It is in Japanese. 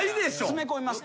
詰め込みます。